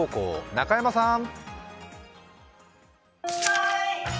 中山さん。